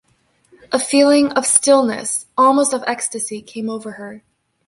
A feeling of stillness, almost of ecstasy, came over her.